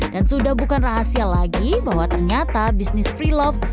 dan sudah bukan rahasia lagi bahwa ternyata bisnis pre love